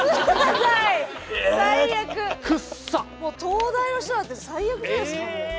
東大の人だって最悪じゃないですかもう。え！